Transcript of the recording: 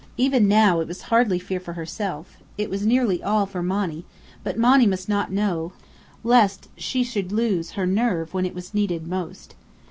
Even now, it was hardly fear for herself. It was nearly all for Monny; but Monny must not know, lest she should lose her nerve when it was needed most.